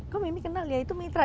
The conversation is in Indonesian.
kok mimi kenal dia itu mitra